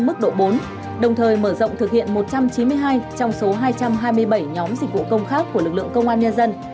mức độ bốn đồng thời mở rộng thực hiện một trăm chín mươi hai trong số hai trăm hai mươi bảy nhóm dịch vụ công khác của lực lượng công an nhân dân